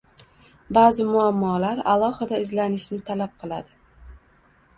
Ba’zi muammolar alohida izlanishni talab qiladi